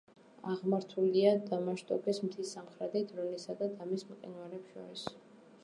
აღმართულია დამაშტოკის მთის სამხრეთით, რონისა და დამის მყინვარებს შორის.